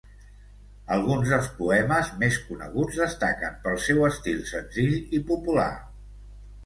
Alguns dels poemes més coneguts destaquen pel seu estil senzill i popular.